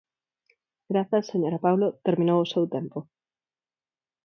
Grazas, señora Paulo, terminou o seu tempo.